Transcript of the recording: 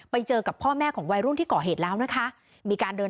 ไปเจอกับพ่อแม่ของวัยรุ่นที่ก่อเหตุแล้วนะคะมีการเดิน